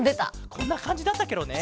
こんなかんじだったケロね。